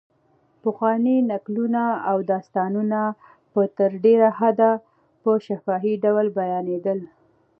پخواني نکلونه او داستانونه په تر ډېره حده په شفاهي ډول بیانېدل.